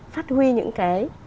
phát huy những cái